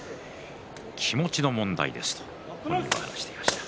気持ちの問題ですと本人も話していました。